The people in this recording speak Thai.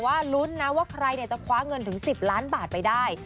ว่าลุ้นนะว่าใครจะคว้าเงินถึง๑๐ล้านบาทไปได้